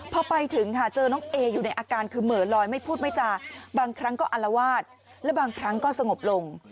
พอไปถึงค่ะเจอน้องเออยู่ในอาการคือเหมือนลอยไม่พูดไม่จาบางครั้งก็อลวาดและบางครั้งก็สงบลง